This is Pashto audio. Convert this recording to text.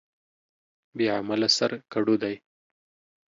بې عمله سر کډو دى.